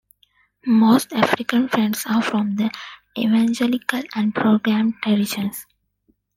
Most African Friends are from the evangelical and programmed traditions.